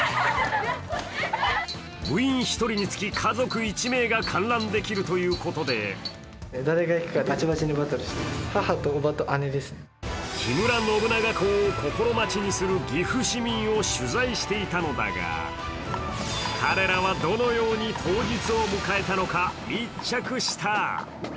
部員１人につき、家族１名が観覧できるということで木村信長公を心待ちにしている岐阜市民を取材していたのだが、彼らはどのように当日を迎えたのか密着した。